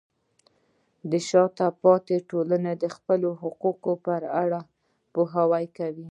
شاته پاتې ټولنه د خپلو حقونو په اړه پوهه کوي.